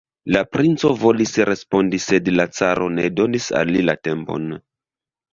La princo volis respondi, sed la caro ne donis al li la tempon.